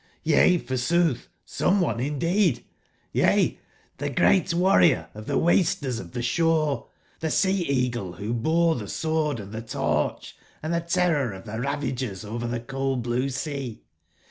Yea, forsooth some one indeed! Y^^^the great war rior of the blasters of the Shore; the Sea/eagle who bore the sword and the torch and the terror of the Ravagers over the coal/blue sea.